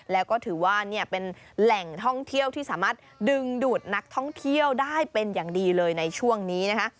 แล้วก็ถือว่าเป็นแหล่งท่องเที่ยวที่สามารถดึงดูดนักท่องเที่ยวได้เป็นอย่างดีเลยในช่วงนี้นะคะ